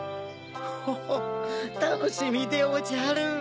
ホホったのしみでおじゃる！